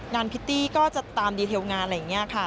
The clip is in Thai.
พิตตี้ก็จะตามดีเทลงานอะไรอย่างนี้ค่ะ